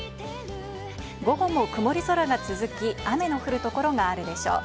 午後も曇り空が続き、雨の降る所があるでしょう。